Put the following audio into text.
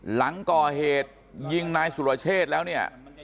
หลังก่อเหตุยิงนายสุรเชษแล้วเนี่ย